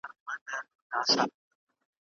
دا بهير تکراري دی.